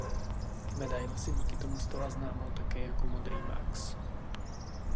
Medaile se díky tomu stala známou také jako "Modrý Max".